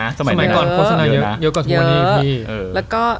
เยอะกว่าทุกวันนี้พี่